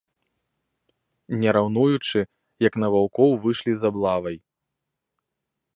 Не раўнуючы, як на ваўкоў выйшлі з аблавай.